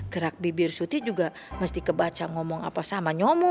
gerak bibir suti juga mesti kebaca ngomong apa sama nyomo